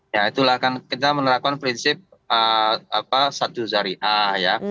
ya itulah kan kita menerapkan prinsip satu zariah ya